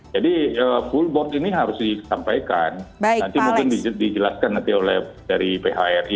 jadi full board ini harus ditampaikan nanti mungkin dijelaskan oleh phri nanti